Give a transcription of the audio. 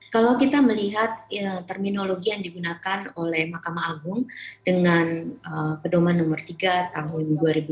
kalau kita melihat terminologi yang digunakan oleh mahkamah agung dengan pedoman nomor tiga tahun dua ribu dua puluh